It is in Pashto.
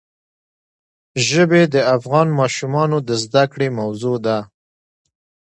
ژبې د افغان ماشومانو د زده کړې موضوع ده.